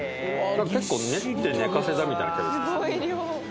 結構練って寝かせたみたいなキャベツですね